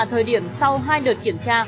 thời điểm sau hai đợt kiểm tra